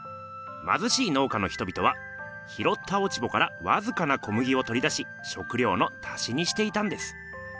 まずしい農家の人々は拾った落ち穂からわずかな小麦をとり出ししょくりょうの足しにしていたんです。